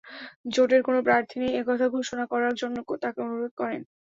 জোটের কোনো প্রার্থী নেই—এ কথা ঘোষণা করার জন্য তাঁকে অনুরোধ করেন।